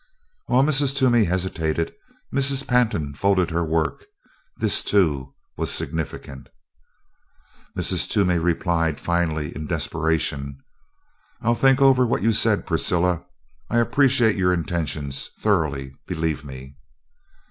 While Mrs. Toomey hesitated Mrs. Pantin folded her work this, too, was significant. Mrs. Toomey replied, finally, in desperation: "I'll think over what you've said, Priscilla. I appreciate your intentions, thoroughly, believe me."